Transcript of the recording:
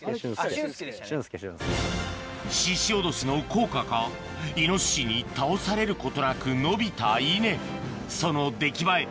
ししおどしの効果かイノシシに倒されることなく伸びた稲その出来栄え